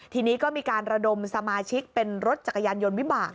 ทีนี้ก็มีการระดมสมาชิกเป็นรถจักรยานยนต์วิบาก